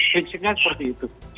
fiksinya seperti itu